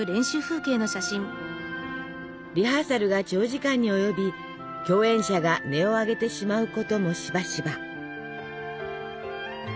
リハーサルが長時間に及び共演者が音を上げてしまうこともしばしば。